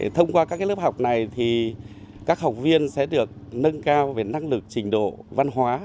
thông qua các lớp học này các học viên sẽ được nâng cao về năng lực trình độ văn hóa